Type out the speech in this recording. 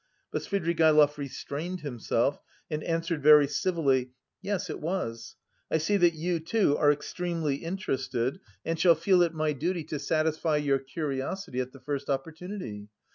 But Svidrigaïlov restrained himself and answered very civilly: "Yes, it was. I see that you, too, are extremely interested and shall feel it my duty to satisfy your curiosity at the first opportunity.